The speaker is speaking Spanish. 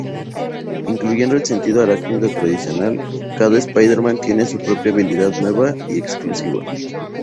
Incluyendo el sentido arácnido tradicional, cada Spider-Man tiene su propia habilidad nueva y exclusiva.